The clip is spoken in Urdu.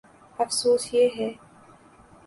افسوس، یہ ہے۔